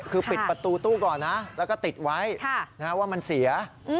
คือปิดประตูตู้ก่อนนะแล้วก็ติดไว้ว่ามันเสีย